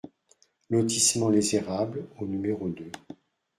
Lotissement Les Érables au numéro deux